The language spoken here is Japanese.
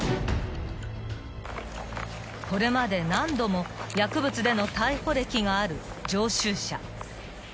［これまで何度も薬物での逮捕歴がある常習者］